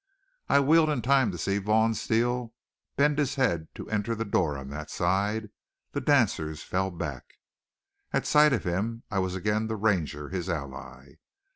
I wheeled in time to see Vaughn Steele bend his head to enter the door on that side. The dancers fell back. At sight of him I was again the Ranger, his ally.